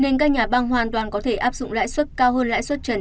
nên các nhà băng hoàn toàn có thể áp dụng lãi suất cao hơn lãi suất trần